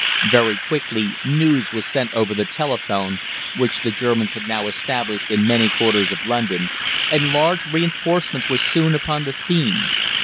Very quickly news was sent over the telephone, which the Germans had now established in many quarters of London, and large reinforcements were soon upon the scene.